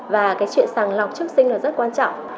và cái chuyện sàng lọc trước sinh là rất quan trọng